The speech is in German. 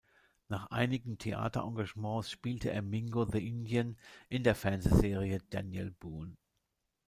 Nach einigen Theaterengagements spielte er "Mingo the Indian" in der Fernsehserie "Daniel Boone".